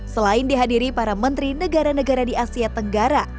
selain dihadiri para menteri negara negara di asia tenggara